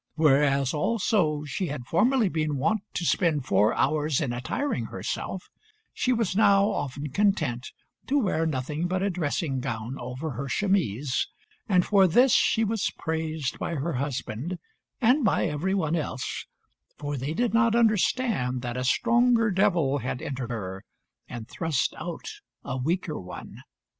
Whereas, also, she had formerly been wont to spend four hours in attiring herself, she was now often content to wear nothing but a dressing gown over her chemise; and for this she was praised by her husband and by every one else, for they did not understand that a stronger devil had entered her and thrust out a weaker one.